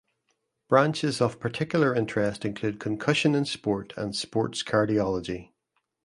Branches of particular interest include concussion in sport and sports cardiology.